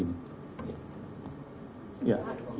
izin pak saya dian dari hayankompas